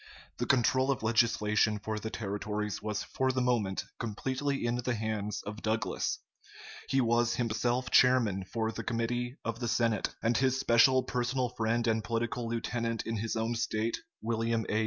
The control of legislation for the territories was for the moment completely in the hands of Douglas. He was himself chairman of the Committee of the Senate; and his special personal friend and political lieutenant in his own State, William A.